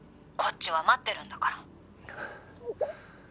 こっちは待ってるんだから」